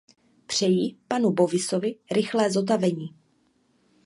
Přeji panu Bowisovi rychlé zotavení.